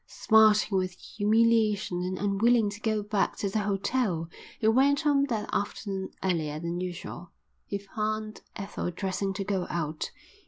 Smarting with humiliation and unwilling to go back to the hotel, he went home that afternoon earlier than usual. He found Ethel dressing to go out.